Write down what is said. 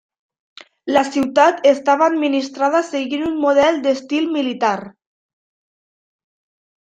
La ciutat estava administrada seguint un model d'estil militar.